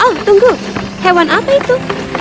oh tunggu hewan apa itu